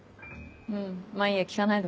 うんまぁいいや聞かないでおく。